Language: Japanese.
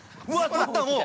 捕った、もう。